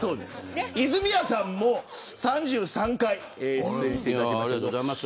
泉谷さんも３３回出演していただいてます。